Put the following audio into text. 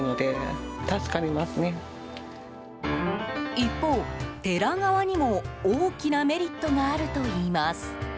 一方、寺側にも大きなメリットがあるといいます。